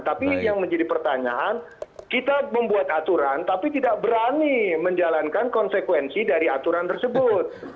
tapi yang menjadi pertanyaan kita membuat aturan tapi tidak berani menjalankan konsekuensi dari aturan tersebut